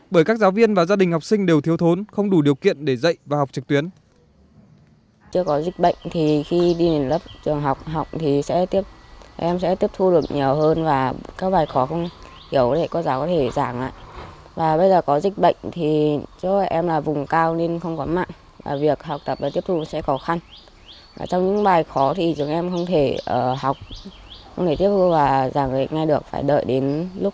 bởi các giáo viên và gia đình học sinh đều thiếu thốn không đủ điều kiện để dạy và học trực tuyến